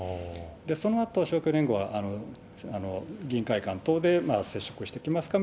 そのあと勝共連合は議員会館等で接触してきますか？